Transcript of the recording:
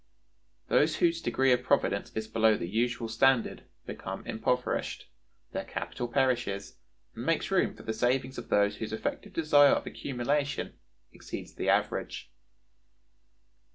Those whose degree of providence is below the usual standard become impoverished, their capital perishes, and makes room for the savings of those whose effective desire of accumulation exceeds the average.